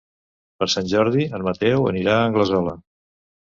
Per Sant Jordi en Mateu anirà a Anglesola.